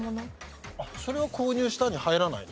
それは「購入した」に入らないの？